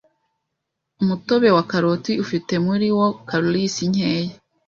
Umutobe wa karoti ufite muri wo calories nkeya